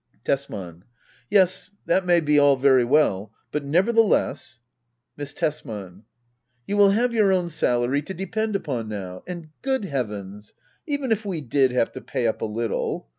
Tesman. Yes, that may be all very well. But never theless Miss Tesman. You will have your own salary to depend upon now. And, good heavens, even if we did have to pay up a little